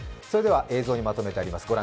それでは映像にまとめてあります。